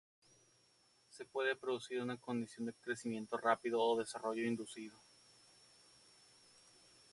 Se puede producir una condición de "crecimiento rápido" o desarrollo inducido.